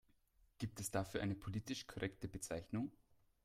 Gibt es dafür eine politisch korrekte Bezeichnung?